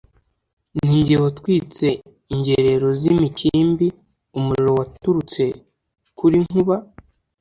ni jye watwitse ingerero z'imikimbi, umuriro waturutse kuli nkuba,